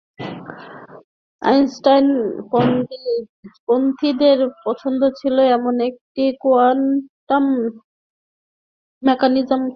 আইনস্টাইনপন্থীদের পছন্দ ছিল এমন একটি কোয়ান্টাম মেকানিক্যাল তত্ত্ব।